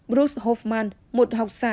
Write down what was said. bruce hoffman một học sả